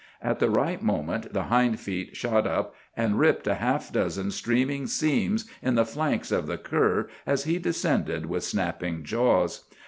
At the right moment the hind feet shot up, and ripped a half dozen streaming seams in the flanks of the cur as he descended with snapping jaws.